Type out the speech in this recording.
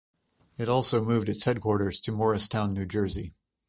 It also moved its headquarters to Morristown, New Jersey.